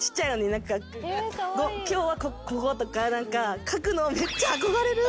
「今日はここ」とか書くの。